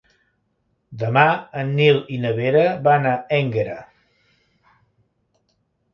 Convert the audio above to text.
Demà en Nil i na Vera van a Énguera.